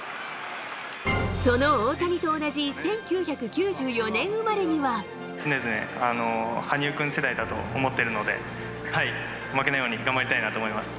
その大谷と同じ１９９４年生常々、羽生君世代だと思ってるので、はい、負けないように頑張りたいなと思います。